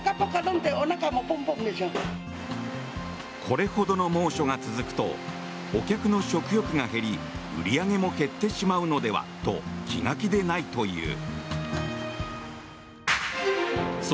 これほどの猛暑が続くとお客の食欲が減り売り上げも減ってしまうのではと気が気でないという。